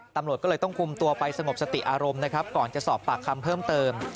ตำรวจก็เลยต้องคุมตัวไปสงบสติอารมณ์นะครับก่อนจะสอบปากคำเพิ่มเติม